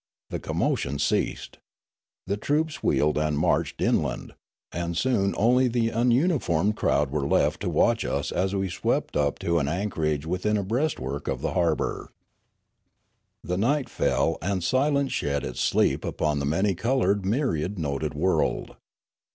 The commotion ceased. The troops wheeled and marched inland, and soon only the ununiformed crowd were left to watch us as we swept up to an anchorage within a breastwork of the harbour. Broolyi 3^5 The night fell, and silence shed its sleep upon the many coloured, myriad noted world.